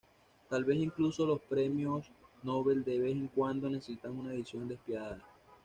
Tal vez incluso los premios Nobel de vez en cuando necesitan una edición despiadada.